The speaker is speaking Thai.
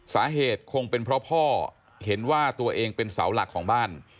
สาเหตุคงเป็นเพราะพ่อเห็นว่าตัวเองเป็นเสาหลักของบ้าน